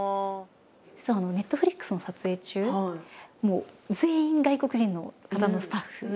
実はＮｅｔｆｌｉｘの撮影中全員外国人の方のスタッフ。